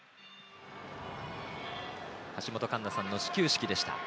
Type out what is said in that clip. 橋本環奈さんの始球式でした。